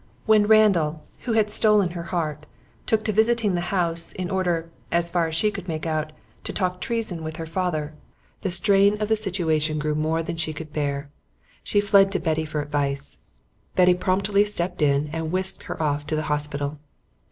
When Randall, who had stolen her heart, took to visiting the house, in order, as far as she could make out, to talk treason with her father, the strain of the situation grew more than she could bear. She fled to Betty for advice. Betty promptly stepped in and whisked her off to the hospital.